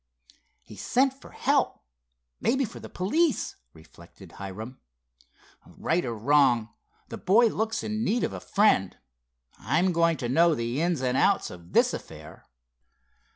"He's sent for help; maybe for the police," reflected Hiram. "Right or wrong, the boy looks in need of a friend. I'm going to know the ins and outs of this affair."